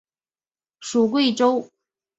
属桂州。